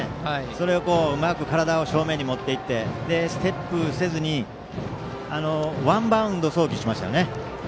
体をうまく正面に持っていってステップせずにワンバウンド送球しましたね。